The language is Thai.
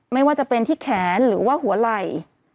ไม่ว่าจะเป็นที่แขนหรือว่าหัวไหล่